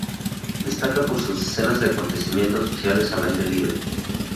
Destaca por sus escenas de acontecimientos sociales al aire libre.